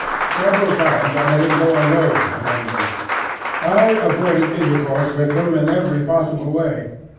Several times I let him go alone among them. I avoided intercourse with them in every possible way.